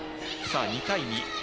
２対２。